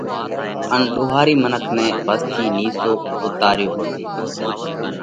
ان ۮوهارِي منک نئہ ڀس ٿِي نِيسو اُوتارو پرو۔